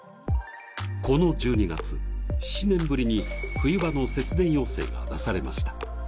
この１２月、７年ぶりに冬場の節電要請が出されました。